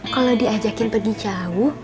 kalau diajakin pergi jauh